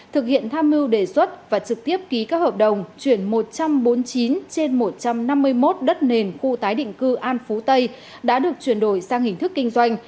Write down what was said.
thực hiện tham mưu đề xuất và trực tiếp ký các hợp đồng chuyển một trăm bốn mươi chín trên một trăm năm mươi một đất nền khu tái định cư an phú tây đã được chuyển đổi sang hình thức kinh doanh